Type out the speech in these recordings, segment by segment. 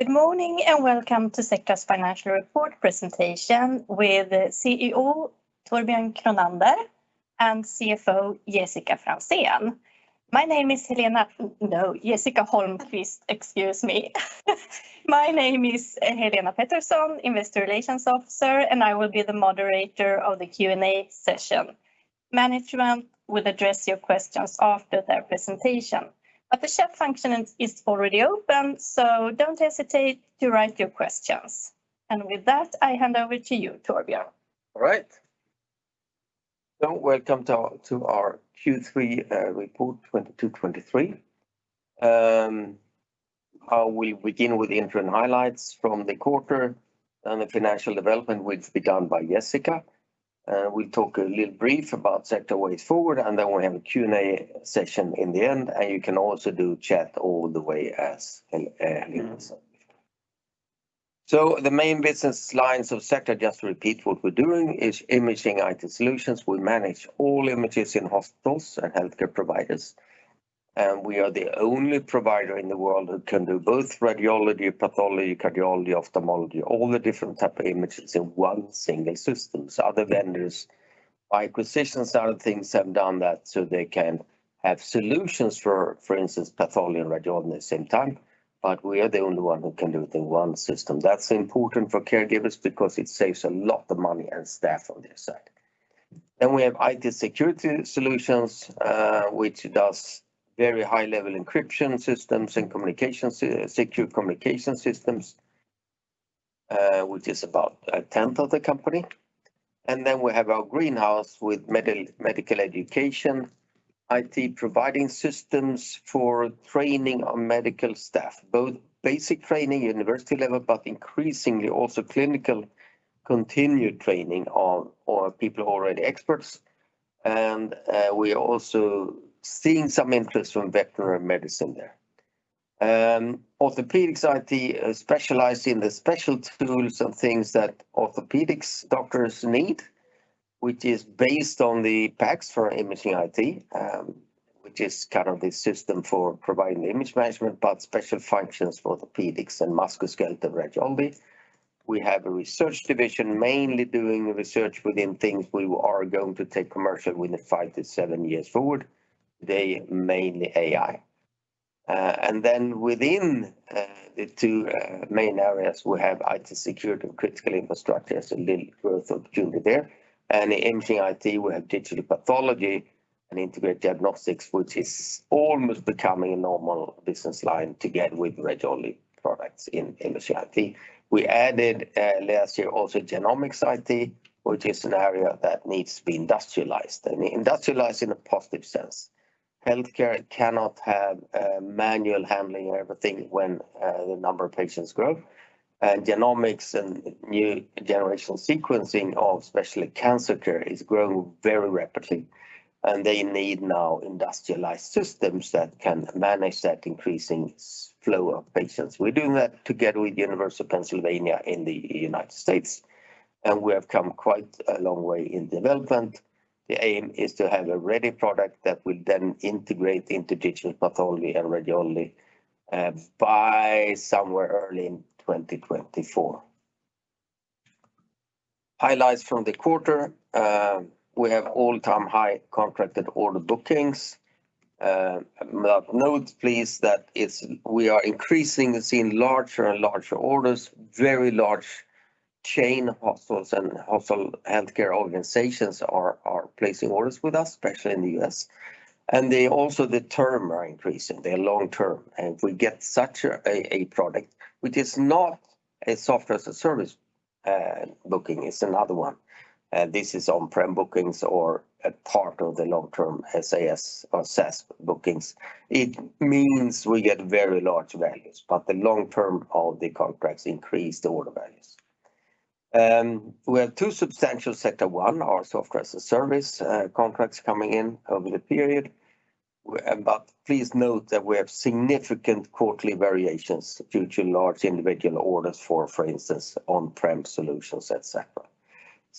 Good morning, welcome to Sectra's financial report presentation with CEO Torbjörn Kronander and CFO Jessica Holmquist. My name is Helena Pettersson, investor relations officer, I will be the moderator of the Q&A session. Management will address your questions after their presentation. The chat function is already open, don't hesitate to write your questions. With that, I hand over to you, Torbjörn. All right. Welcome to our Q3 report 2022/2023. I will begin with the interim highlights from the quarter and the financial development, which begun by Jessica. We'll talk a little brief about Sectra way forward, and then we'll have a Q&A session in the end, and you can also do chat all the way as Helena said. The main business lines of Sectra, just to repeat what we're doing, is Imaging IT Solutions. We manage all images in hospitals and healthcare providers. We are the only provider in the world who can do both radiology, pathology, cardiology, ophthalmology, all the different type of images in one single system. Other vendors, by acquisitions type of things, have done that, so they can have solutions for instance, pathology and radiology at the same time, but we are the only one who can do it in one system. That's important for caregivers because it saves a lot of money and staff on their side. We have IT security solutions, which does very high-level encryption systems and communications, secure communication systems, which is about a tenth of the company. We have our greenhouse with medical education, IT providing systems for training on medical staff, both basic training, university level, but increasingly also clinical continued training on people who are already experts. We are also seeing some interest from veterinary medicine there. Orthopedics IT specialize in the special tools and things that orthopedics doctors need, which is based on the PACS for Imaging IT, which is kind of the system for providing image management, but special functions for orthopedics and musculoskeletal radiology. We have a research division mainly doing research within things we are going to take commercial within 5 years-7 years forward. They're mainly AI. Then within the two main areas, we have IT security and critical infrastructure, so a little growth opportunity there. Imaging IT, we have digital pathology and Integrated Diagnostics, which is almost becoming a normal business line together with radiology products in the IT. We added last year also Genomics IT, which is an area that needs to be industrialized, and industrialized in a positive sense. Healthcare cannot have manual handling of everything when the number of patients grow. Genomics and new generational sequencing of especially cancer care is growing very rapidly, and they need now industrialized systems that can manage that increasing flow of patients. We're doing that together with University of Pennsylvania in the United States, and we have come quite a long way in development. The aim is to have a ready product that will then integrate into digital pathology and radiology by somewhere early in 2024. Highlights from the quarter. We have all-time high contracted order bookings. Note please that we are increasing and seeing larger and larger orders. Very large chain hospitals and hospital healthcare organizations are placing orders with us, especially in the U.S. They also, the term are increasing. They're long-term. If we get such a product, which is not a software as a service booking, it's another one, this is on-prem bookings or a part of the long-term SaaS or SaaS bookings, it means we get very large values, but the long term of the contracts increase the order values. We had two substantial Sectra One, our software as a service, contracts coming in over the period. Please note that we have significant quarterly variations due to large individual orders for instance, on-prem solutions at Sectra.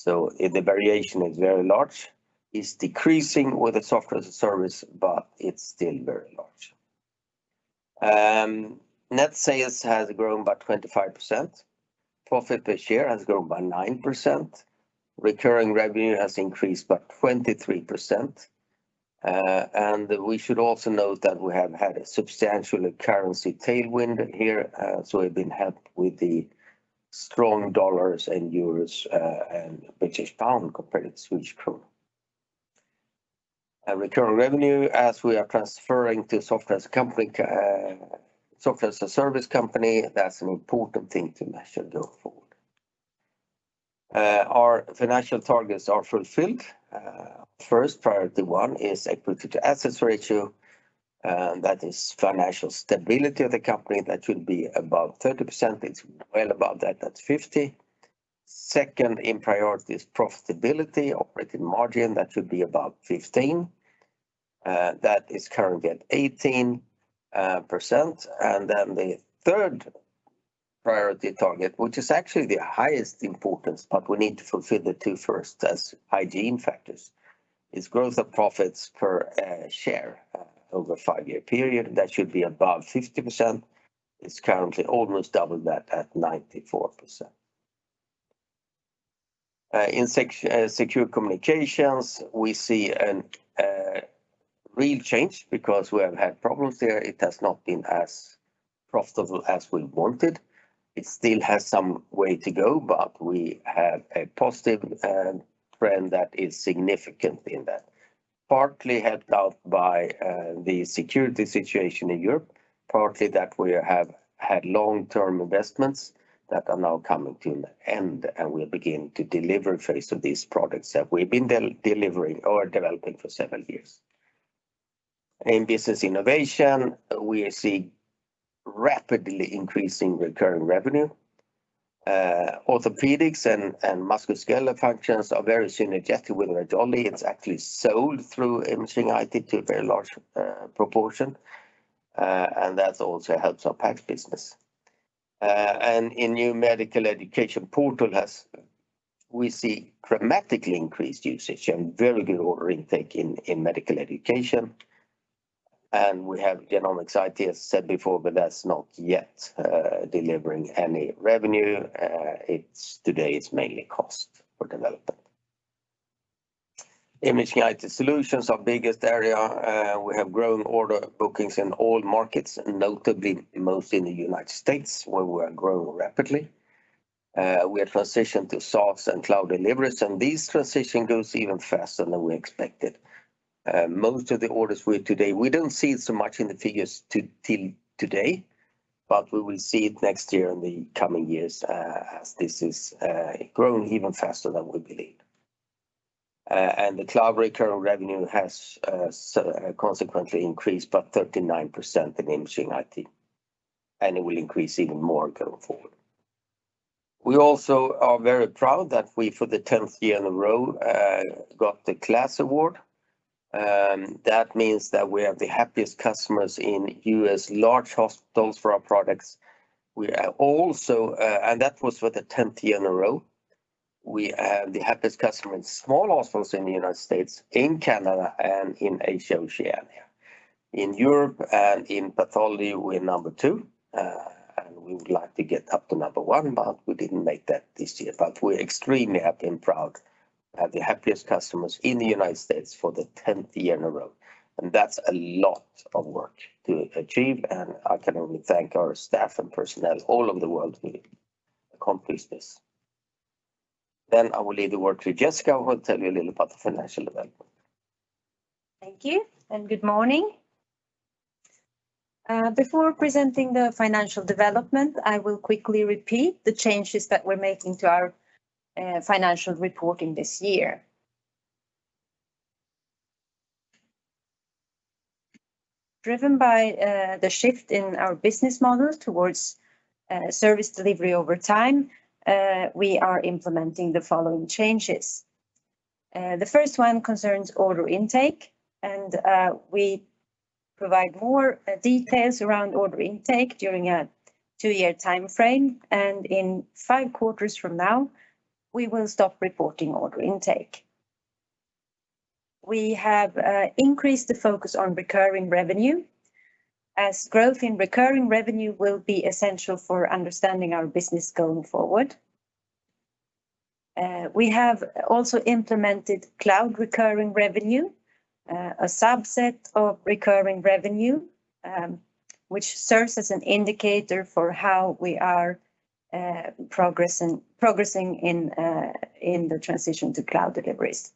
The variation is very large. It's decreasing with the software as a service, but it's still very large. Net sales has grown by 25%. Profit per share has grown by 9%. Recurring revenue has increased by 23%. We should also note that we have had a substantial currency tailwind here, so we've been helped with the strong U.S. dollars and euros, and British pound compared to Swedish krona. A recurring revenue as we are transferring to software as a company, software as a service company, that's an important thing to mention going forward. Our financial targets are fulfilled. First priority one is equity/assets ratio, that is financial stability of the company. That should be above 30%. It's well above that, at 50%. Second in priority is profitability, operating margin. That should be above 15%. That is currently at 18%. The third priority target, which is actually the highest importance, but we need to fulfill the two first as hygiene factors, is growth of profits per share over a 5-year period, that should be above 50%. It's currently almost double that at 94%. In Secure Communications, we see a real change because we have had problems there. It has not been as profitable as we wanted. It still has some way to go, but we have a positive trend that is significant in that. Partly helped out by the security situation in Europe, partly that we have had long-term investments that are now coming to an end, and we begin to deliver first of these products that we've been delivering or developing for several years. In Business Innovation, we see rapidly increasing recurring revenue. Orthopedics and musculoskeletal functions are very synergistic with radiology. It's actually sold through Imaging IT to a very large proportion, and that also helps our PACS business. In new medical education portal, we see dramatically increased usage and very good order intake in medical education. We have Genomics IT, as said before, but that's not yet delivering any revenue. Today, it's mainly cost for development. Imaging IT Solutions, our biggest area, we have grown order bookings in all markets, notably mostly in the United States, where we are growing rapidly. We have transitioned to SaaS and cloud deliveries, and this transition goes even faster than we expected. Most of the orders we have today, we don't see it so much in the figures till today, but we will see it next year in the coming years, as this is growing even faster than we believe. The cloud recurring revenue has so consequently increased by 39% in Imaging IT, and it will increase even more going forward. We also are very proud that we, for the 10th year in a row, got the KLAS award. That means that we have the happiest customers in U.S. large hospitals for our products. We are also. That was for the 10th year in a row. We have the happiest customer in small hospitals in the United States, in Canada, and in Asia Oceania. In Europe and in pathology, we're number two, and we would like to get up to number one, but we didn't make that this year. We're extremely happy and proud to have the happiest customers in the United States for the 10th year in a row, and that's a lot of work to achieve, and I can only thank our staff and personnel all over the world who accomplished this. I will leave the word to Jessica, who will tell you a little about the financial development. Thank you. Good morning. Before presenting the financial development, I will quickly repeat the changes that we're making to our financial reporting this year. Driven by the shift in our business model towards service delivery over time, we are implementing the following changes. The first one concerns order intake. We provide more details around order intake during a two-year timeframe. In five quarters from now, we will stop reporting order intake. We have increased the focus on recurring revenue, as growth in recurring revenue will be essential for understanding our business going forward. We have also implemented cloud recurring revenue, a subset of recurring revenue, which serves as an indicator for how we are progressing in the transition to cloud deliveries.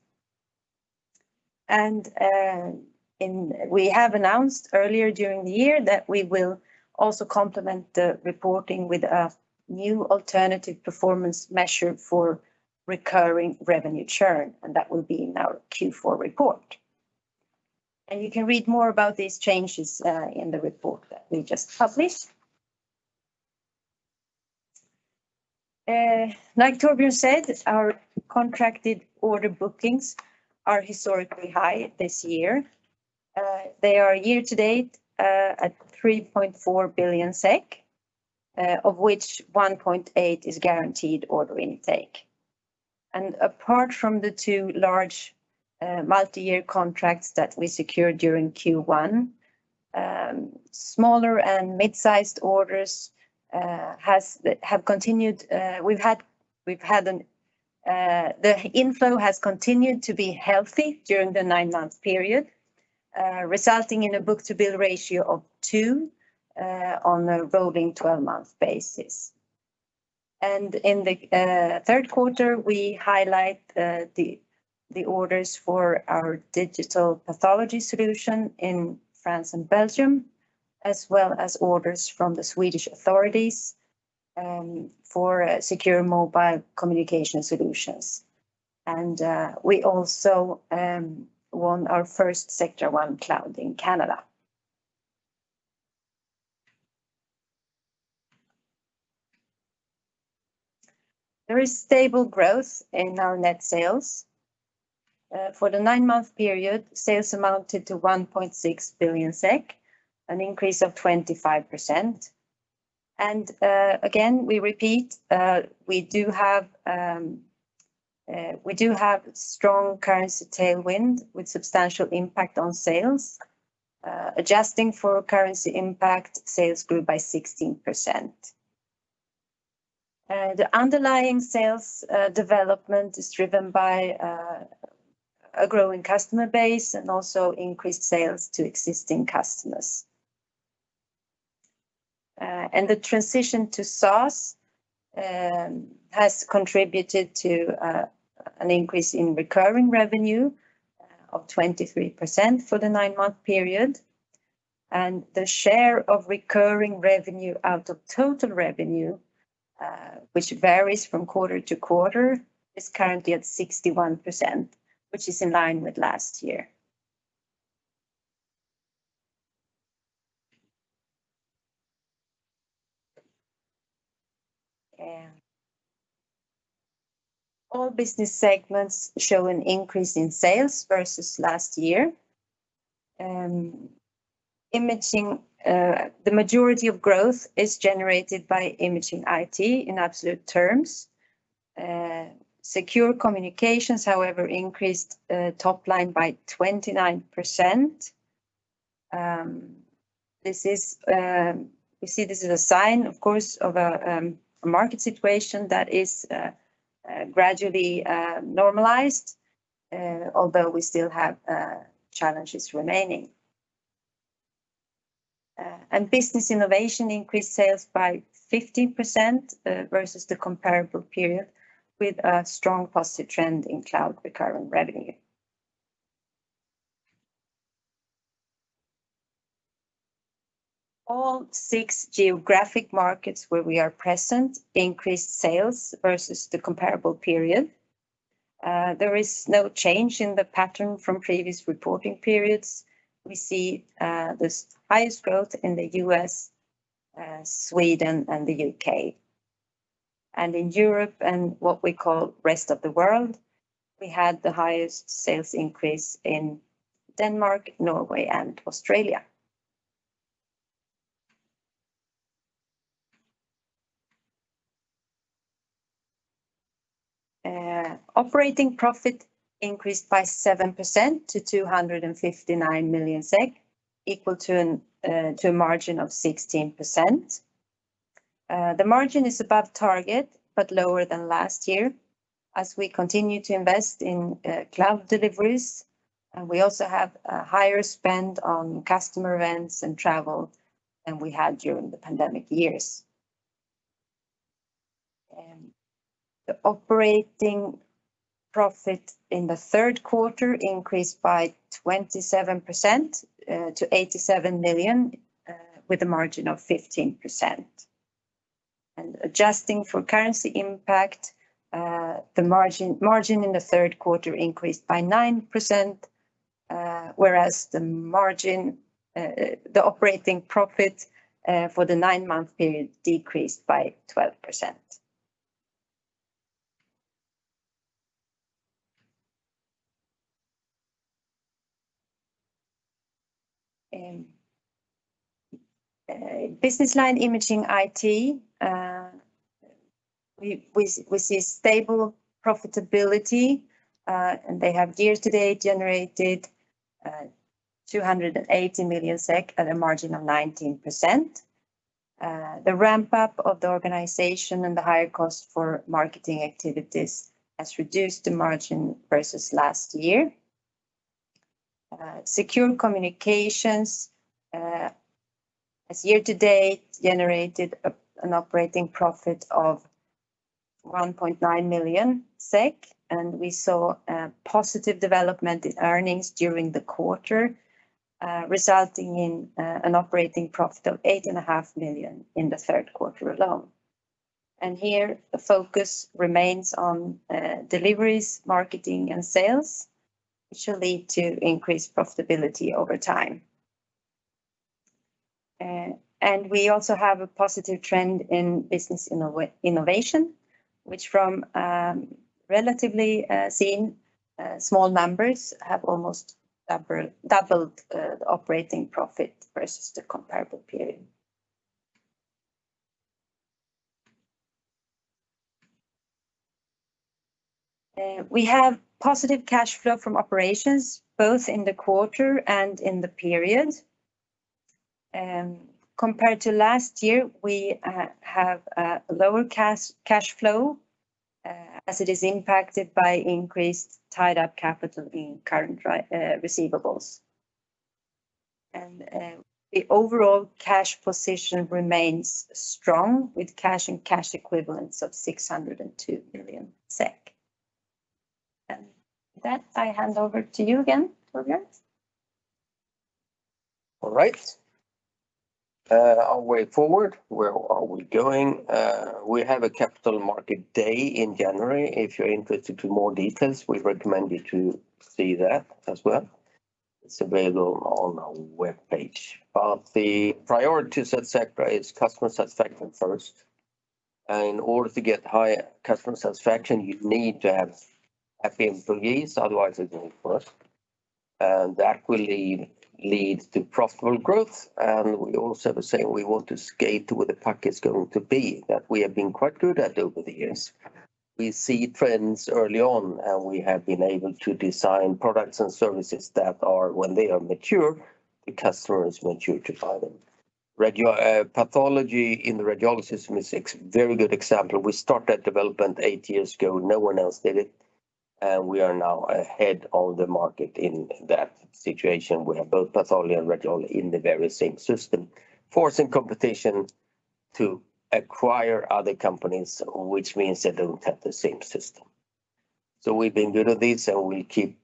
We have announced earlier during the year that we will also complement the reporting with a new alternative performance measure for recurring revenue churn, and that will be in our Q4 report. You can read more about these changes in the report that we just published. Like Torbjörn said, our contracted order bookings are historically high this year. They are year to date at 3.4 billion SEK, of which 1.8 is guaranteed order intake. Apart from the two large multi-year contracts that we secured during Q1, smaller and mid-sized orders have continued. The inflow has continued to be healthy during the nine-month period, resulting in a book-to-bill ratio of 2 on a rolling 12-month basis. In the third quarter, we highlight the orders for our digital pathology solution in France and Belgium, as well as orders from the Swedish authorities for secure mobile communication solutions. We also won our first Sectra One Cloud in Canada. There is stable growth in our net sales. For the nine-month period, sales amounted to 1.6 billion SEK, an increase of 25%. Again, we repeat, we do have strong currency tailwind with substantial impact on sales. Adjusting for currency impact, sales grew by 16%. The underlying sales development is driven by a growing customer base and also increased sales to existing customers. The transition to SaaS has contributed to an increase in recurring revenue of 23% for the nine-month period. The share of recurring revenue out of total revenue, which varies from quarter to quarter, is currently at 61%, which is in line with last year. Yeah. All business segments show an increase in sales versus last year. Imaging, the majority of growth is generated by Imaging & IT in absolute terms. Secure Communications, however, increased top line by 29%. This is, we see this as a sign, of course, of a market situation that is gradually normalized, although we still have challenges remaining. Business Innovation increased sales by 15% versus the comparable period with a strong positive trend in cloud recurring revenue. All six geographic markets where we are present increased sales versus the comparable period. There is no change in the pattern from previous reporting periods. We see this highest growth in the U.S., Sweden, and the U.K.. In Europe and what we call rest of the world, we had the highest sales increase in Denmark, Norway, and Australia. Operating profit increased by 7% to 259 million SEK, equal to a margin of 16%. The margin is above target, but lower than last year as we continue to invest in cloud deliveries, and we also have a higher spend on customer events and travel than we had during the pandemic years. The operating profit in the third quarter increased by 27% to 87 million, with a margin of 15%. Adjusting for currency impact, the margin in the third quarter increased by 9%, whereas the operating profit for the nine-month period decreased by 12%. In Business Line Imaging & IT, we see stable profitability, and they have year-to-date generated 280 million SEK at a margin of 19%. The ramp-up of the organization and the higher cost for marketing activities has reduced the margin versus last year. Secure Communications has year-to-date generated an operating profit of 1.9 million SEK. We saw a positive development in earnings during the quarter, resulting in an operating profit of 8.5 Million in the third quarter alone. Here the focus remains on deliveries, marketing, and sales, which will lead to increased profitability over time. We also have a positive trend in Business Innovation, which from relatively seen small numbers have almost doubled the operating profit versus the comparable period. We have positive cash flow from operations both in the quarter and in the period. Compared to last year, we have lower cash flow as it is impacted by increased tied-up capital in current receivables. The overall cash position remains strong with cash and cash equivalents of 602 million SEK. With that, I hand over to you again, Torbjörn. All right. Our way forward. Where are we going? We have a capital market day in January. If you're interested to more details, we recommend you to see that as well. It's available on our webpage. The priorities at Sectra is customer satisfaction first. In order to get higher customer satisfaction, you need to have happy employees, otherwise it won't work. That will lead to profitable growth. We also say we want to skate to where the puck is going to be, that we have been quite good at over the years. We see trends early on, and we have been able to design products and services that are, when they are mature, the customers want you to buy them. Pathology in the radiology system is very good example. We started development eight years ago. No one else did it. We are now ahead of the market in that situation. We have both pathology and radiology in the very same system, forcing competition to acquire other companies, which means they don't have the same system. We've been good at this, and we keep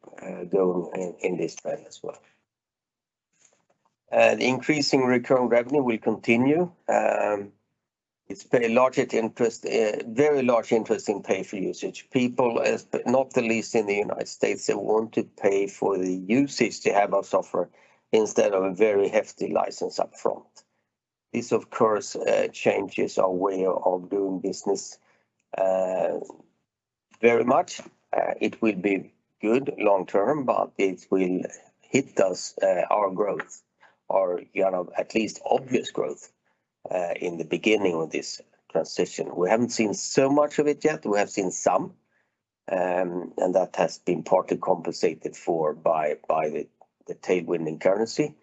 going in this trend as well. The increasing recurring revenue will continue. It's very large interest in pay for usage. People, not the least in the United States, they want to pay for the usage to have our software instead of a very hefty license up front. This, of course, changes our way of doing business very much. It will be good long term, but it will hit us, our growth or, you know, at least obvious growth, in the beginning of this transition. We haven't seen so much of it yet. We have seen some, and that has been partly compensated for by the tailwind in currency,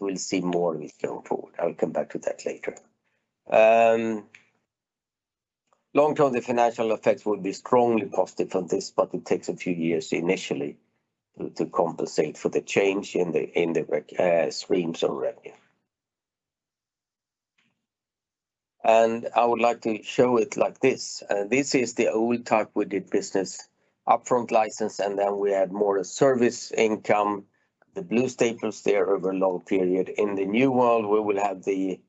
we'll see more of it going forward. I'll come back to that later. Long term, the financial effects will be strongly positive from this, it takes a few years initially to compensate for the change in the streams of revenue. I would like to show it like this. This is the old type we did business, upfront license, and then we add more service income, the blue staples there over a long period. In the new world, we will have the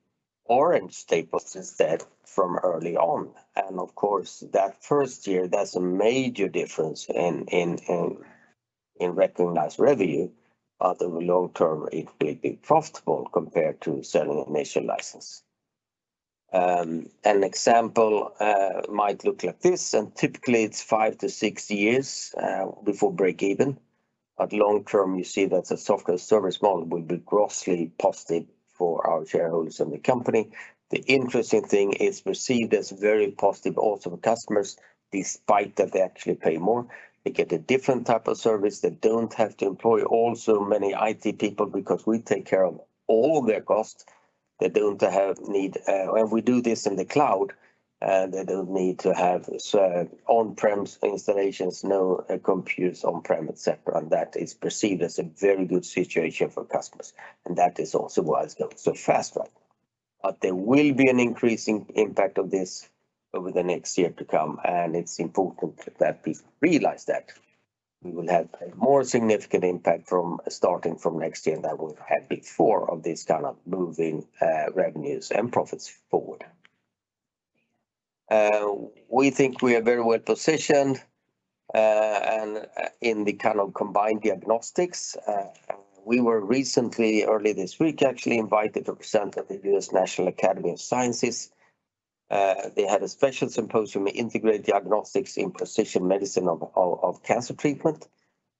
orange staples instead from early on. Of course, that first year, that's a major difference in recognized revenue, but over long term, it will be profitable compared to selling initial license. An example might look like this, and typically it's 5 years-6 years before break even. Long term, you see that the software service model will be grossly positive for our shareholders and the company. The interesting thing is perceived as very positive also for customers, despite that they actually pay more. They get a different type of service. When we do this in the cloud, they don't need to have on-premise installations, no computers on-prem, et cetera. That is perceived as a very good situation for customers. That is also why it's going so fast, right? There will be an increasing impact of this over the next year to come. It's important that we realize that. We will have a more significant impact starting from next year than we've had before of this kind of moving revenues and profits forward. We think we are very well positioned and in the kind of combined diagnostics. We were recently, early this week actually, invited to present at the U.S. National Academy of Sciences. They had a special symposium, Integrated Diagnostics in Precision Medicine of Cancer Treatment.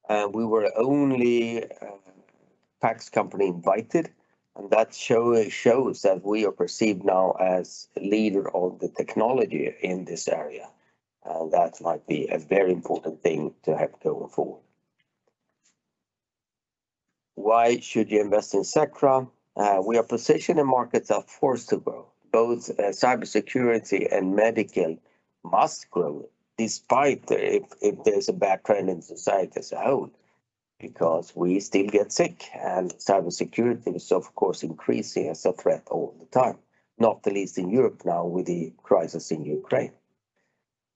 We were only PACS company invited, that shows that we are perceived now as leader of the technology in this area. That might be a very important thing to have going forward. Why should you invest in Sectra? We are positioned in markets that are forced to grow. Both cybersecurity and medical must grow, despite if there's a background in societies at all, because we still get sick, and cybersecurity is of course increasing as a threat all the time, not the least in Europe now with the crisis in Ukraine.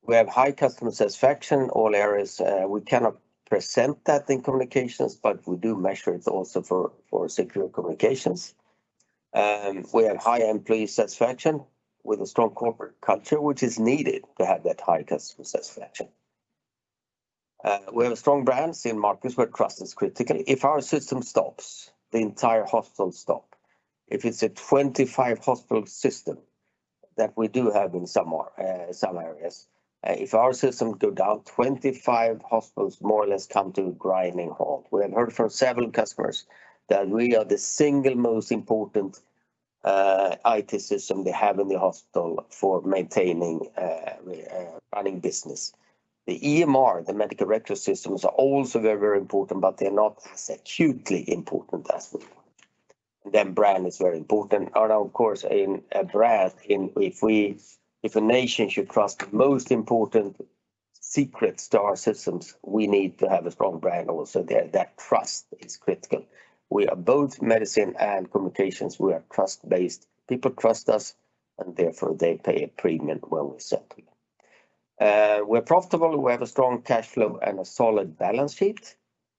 We have high customer satisfaction, all areas. We cannot present that in communications, but we do measure it also for Secure Communications. We have high employee satisfaction with a strong corporate culture, which is needed to have that high customer satisfaction. We have strong brands in markets where trust is critical. If our system stops, the entire hospital stop. If it's a 25 hospital system that we do have in some more, some areas, if our system go down, 25 hospitals more or less come to grinding halt. We have heard from several customers that we are the single most important IT system they have in the hospital for maintaining running business. The EMR, the medical records systems, are also very, very important, but they're not as acutely important as we are. Brand is very important. Of course, in brands, if a nation should trust the most important secrets to our systems, we need to have a strong brand also. That trust is critical. We are both medicine and communications. We are trust-based. People trust us, and therefore, they pay a premium when we sell to them. We're profitable, we have a strong cash flow, and a solid balance sheet,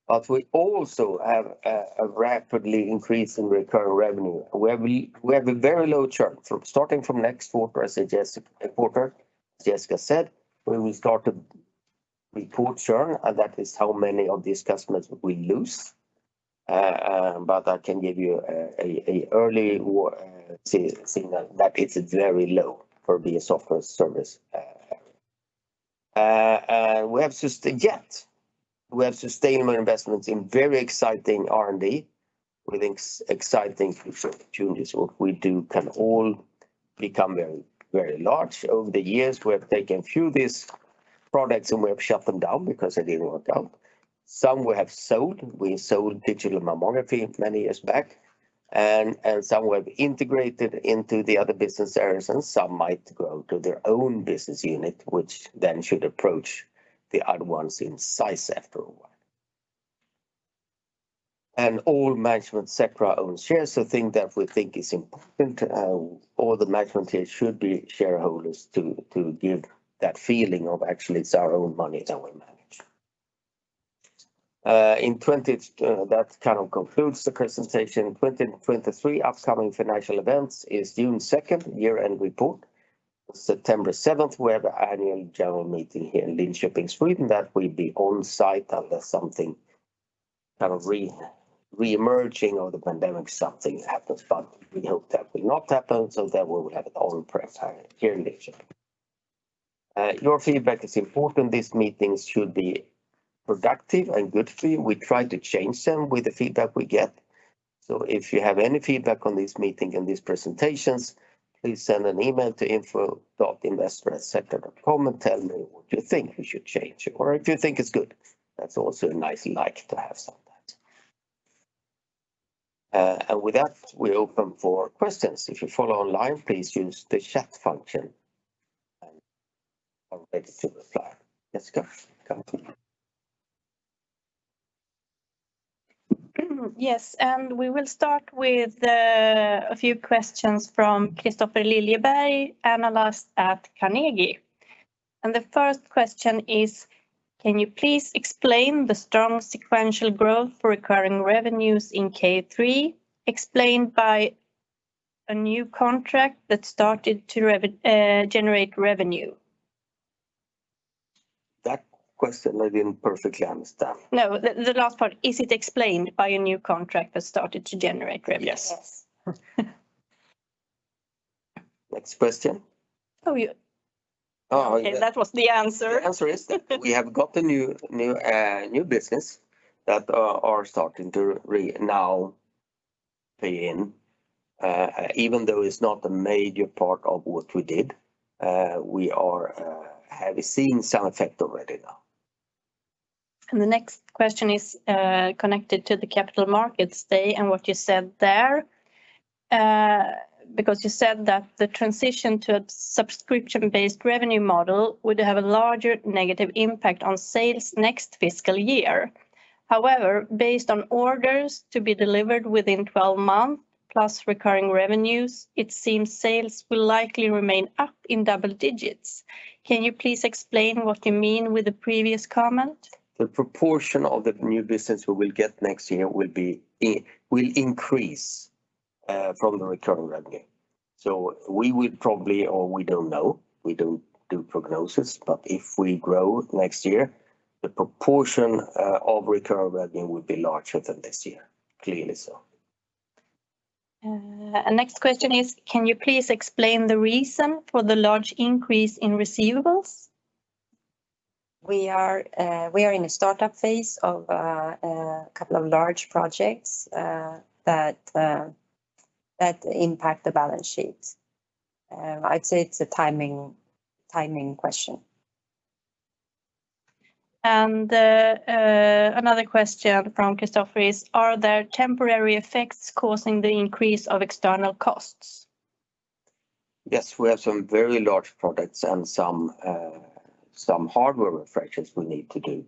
but we also have a rapidly increasing recurring revenue, where we're very low churn. Starting from next quarter, as Jessica said, we will start to report churn. That is how many of these customers we lose. I can give you an early signal that it's very low for a software service. Yet, we have sustainable investments in very exciting R&D with exciting future opportunities. What we do can all become very, very large. Over the years, we have taken few of these products. We have shut them down because they didn't work out. Some we have sold. We sold digital mammography many years back. Some we have integrated into the other business areas. Some might grow to their own business unit, which then should approach the other ones in size after a while. All management Sectra owns shares, thing that we think is important. All the management here should be shareholders to give that feeling of actually it's our own money that we manage. In that kind of concludes the presentation. 2023 upcoming financial events is June 2nd, year-end report. September 7th, we have the annual general meeting here in Linköping, Sweden. That will be on site unless something kind of re-emerging or the pandemic, something happens, but we hope that will not happen, so then we will have it all in person here in Linköping. Your feedback is important. These meetings should be productive and good for you. We try to change them with the feedback we get. If you have any feedback on this meeting and these presentations, please send an email to info.investor@sectra.com and tell me what you think we should change. If you think it's good, that's also a nice like to have some of that. With that, we're open for questions. If you follow online, please use the chat function. I'm ready to reply. Let's go. Yes, we will start with a few questions from Kristofer Liljeberg, analyst at Carnegie. The first question is, can you please explain the strong sequential growth for recurring revenues in K3 explained by a new contract that started to generate revenue? That question I didn't perfectly understand. No. The last part, is it explained by a new contract that started to generate revenue? Yes. Yes. Next question. Oh. Oh, yeah. Okay, that was the answer. The answer is we have got a new business that are starting to now pay in. Even though it's not a major part of what we did, we are have seen some effect already now. The next question is connected to the capital markets day and what you said there, because you said that the transition to a subscription-based revenue model would have a larger negative impact on sales next fiscal year. However, based on orders to be delivered within 12 months, plus recurring revenues, it seems sales will likely remain up in double digits. Can you please explain what you mean with the previous comment? The proportion of the new business we will get next year will increase from the recurring revenue. We would probably, or we don't know, we don't do prognosis, but if we grow next year, the proportion of recurring revenue would be larger than this year, clearly so. Next question is, can you please explain the reason for the large increase in receivables? We are in a startup phase of a couple of large projects that impact the balance sheets. I'd say it's a timing question. Another question from Kristofer is, are there temporary effects causing the increase of external costs? Yes. We have some very large products and some hardware refreshments we need to do.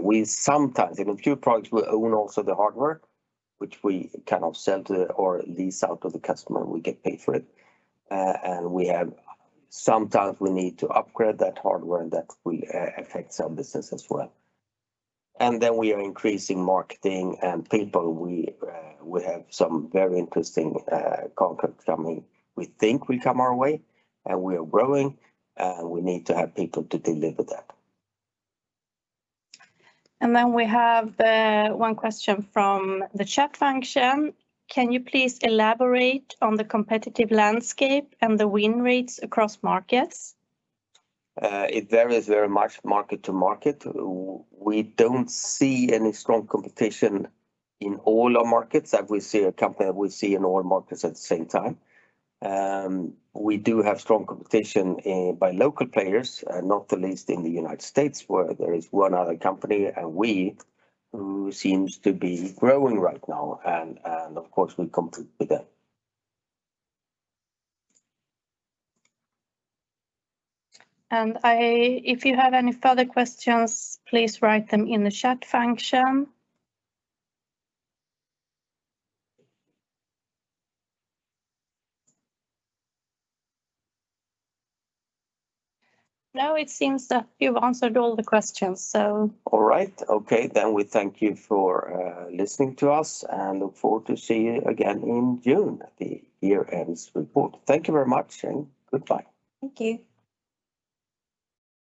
We sometimes, in a few products, we own also the hardware, which we kind of sell to or lease out to the customer, and we get paid for it. We have, sometimes we need to upgrade that hardware, and that will affect some business as well. Then we are increasing marketing and people. We have some very interesting, contracts coming, we think will come our way, and we are growing, and we need to have people to deliver that. We have one question from the chat function. Can you please elaborate on the competitive landscape and the win rates across markets? It varies very much market to market. We don't see any strong competition in all our markets that we see, a company that we see in all markets at the same time. We do have strong competition, by local players, not the least in the United States, where there is one other company and we who seems to be growing right now, and of course, we compete with them. If you have any further questions, please write them in the chat function. It seems that you've answered all the questions. All right. Okay, we thank you for listening to us and look forward to see you again in June at the year-end's report. Thank you very much, and goodbye. Thank you.